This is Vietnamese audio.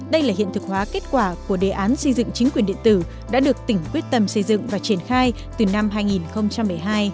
đây là hiện thực hóa kết quả của đề án xây dựng chính quyền điện tử đã được tỉnh quyết tâm xây dựng và triển khai từ năm hai nghìn một mươi hai